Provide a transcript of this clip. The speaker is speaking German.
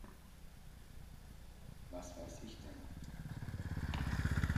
Was weiß ich denn?